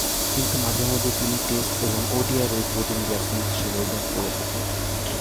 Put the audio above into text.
কিন্তু মাঝেমধ্যে তিনি টেস্ট এবং ওডিআইয়ে উদ্বোধনী ব্যাটসম্যান হিসেবেও ব্যাট করে থাকেন।